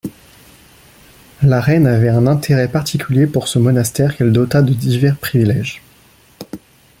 La reine avait un intérêt particulier pour ce monastère qu'elle dota de divers privilèges.